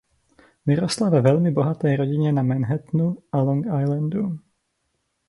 Vyrostla ve velmi bohaté rodině na Manhattanu a Long Islandu.